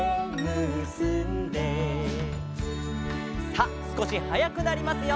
さあすこしはやくなりますよ。